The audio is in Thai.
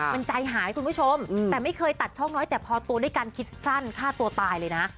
มันใจหายคุณผู้ชมแต่ไม่เคยตัดช่องน้อยแต่พอตัวด้วยการคิดสั้นฆ่าตัวตายเลยนะ